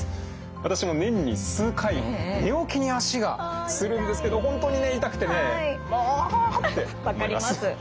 私も年に数回寝起きに足がつるんですけど本当にね痛くてねもう！ってなります。